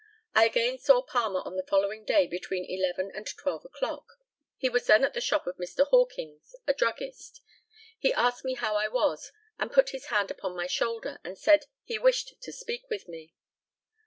I again saw Palmer on the following day, between eleven and twelve o'clock. He was then at the shop of Mr. Hawkins, a druggist. He asked me how I was, and put his hand upon my shoulder, and said he wished to speak with me.